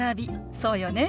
そうよね。